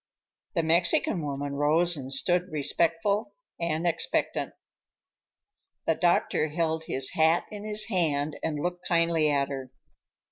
The Mexican woman rose and stood respectful and expectant. The doctor held his hat in his hand and looked kindly at her.